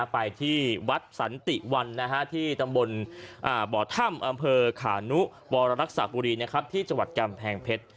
ไปที่วัดสันติวันที่ตำบลบ่อถ้ำอำเภอขานุวรรักษาบุรีที่จังหวัดกำแพงเพชร